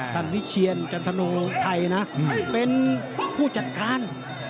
วิเชียรจันทโนไทยนะเป็นผู้จัดการ